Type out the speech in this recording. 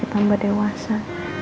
karena rena sudah lebih dewasa